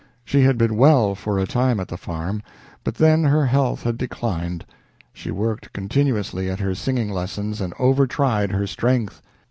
She had been well far a time at the farm, but then her health had declined. She worked continuously at her singing lessons and over tried her strength.